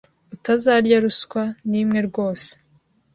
utazarya ruswa nimwe rwose